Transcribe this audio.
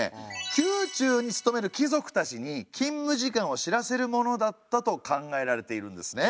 宮中に勤める貴族たちに勤務時間を知らせるものだったと考えられているんですね。